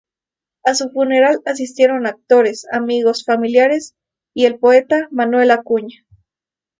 A su funeral asistieron actores, amigos, familiares y el poeta Manuel Acuña.